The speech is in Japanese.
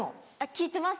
聞いてます